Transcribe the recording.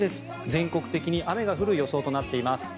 全国的に雨が降る予想となっています。